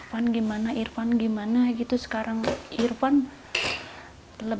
buk boleh ceritain gak bu kondisinya